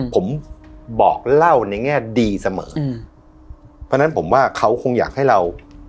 ผมบอกเล่าในแง่ดีเสมออืมเพราะฉะนั้นผมว่าเขาคงอยากให้เรา